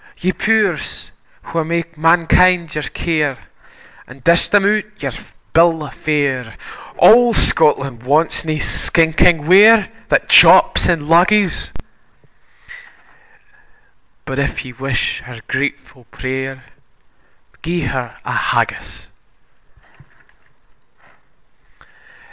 Ye pow'rs wha mak mankind your care, And dish them out their bill o' fare, Auld Scotland wants nae stinking ware That jaups in luggies; But, if ye wish her gratefu' pray'r, Gie her a Haggis!